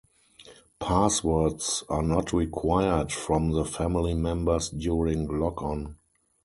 Passwords are not required from the family members during logon.